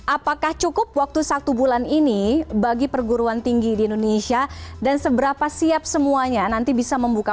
apakah cukup waktu satu bulan ini bagi perguruan tinggi di indonesia dan seberapa siap semuanya nanti bisa membuka